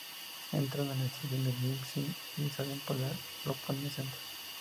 Entran en la Estación de Lesseps y salen por la de Laponia Centro.